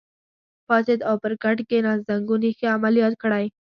پاڅېد او پر کټ کېناست، زنګون یې ښه عملیات کړی.